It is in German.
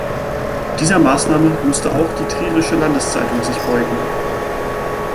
Dieser Maßnahme musste auch die Trierische Landeszeitung sich beugen.